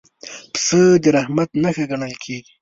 پسه د رحمت نښه ګڼل کېږي.